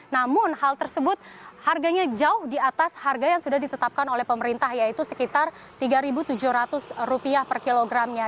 namun hal tersebut harganya jauh di atas harga yang sudah ditetapkan oleh pemerintah yaitu sekitar rp tiga tujuh ratus per kilogramnya